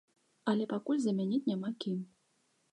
Але пакуль замяніць няма кім.